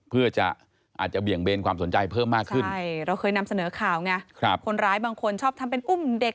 เพื่อจะอาจจะเบี่ยงเบนความสนใจเพิ่มมากขึ้นใช่เราเคยนำเสนอข่าวไงคนร้ายบางคนชอบทำเป็นอุ้มเด็ก